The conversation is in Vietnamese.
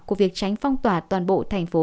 của việc tránh phong tỏa toàn bộ thành phố